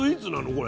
これ。